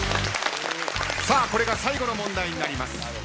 これが最後の問題になります。